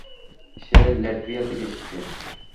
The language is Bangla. সে ল্যাটভিয়া থেকে এসেছে।